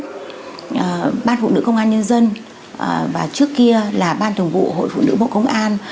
trước đó ban phụ nữ công an nhân dân và trước kia là ban thủng vụ hội phụ nữ bộ công an